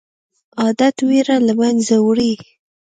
عادت ویره له منځه وړي.